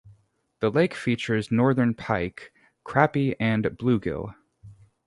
The lake features northern pike, crappie and bluegill.